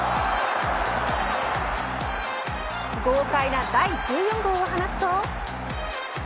豪快な第１４号を放つと。